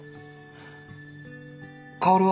薫は？